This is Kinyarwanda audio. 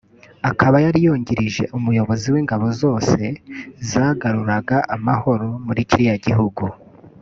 akaba yari yungirije umuyobozi w’ingabo zose zagaruraga amahoro muri kiriya gihugu